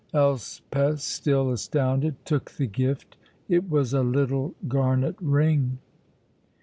Elspeth, still astounded, took the gift. It was a little garnet ring.